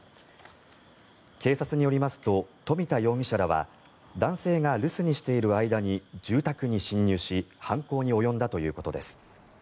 警察によりますと富田容疑者らは男性が留守にしている間に住宅に侵入し犯行に及んだということです。